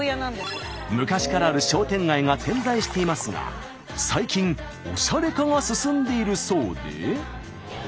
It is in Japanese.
昔からある商店街が点在していますが最近おしゃれ化が進んでいるそうで。